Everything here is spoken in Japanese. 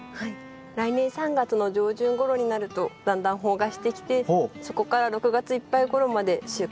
来年３月の上旬ごろになるとだんだん萌芽してきてそこから６月いっぱいごろまで収穫できます。